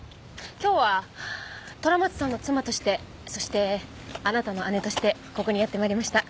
今日は虎松さんの妻としてそしてあなたの姉としてここにやって参りました。